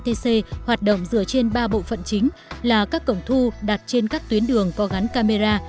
hệ thống thu phí etc hoạt động dựa trên ba bộ phận chính là các cổng thu đặt trên các tuyến đường có gắn camera